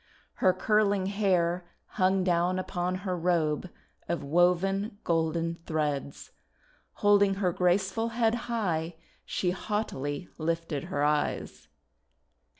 Her curling hair hung down upon her robe of woven golden threads. Holding her graceful head high she haughtily lifted her eyes.